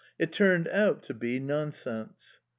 It turned out to be nonsense...